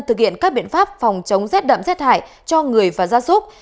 thực hiện các biện pháp phòng chống rét đậm rét hải cho người và da súc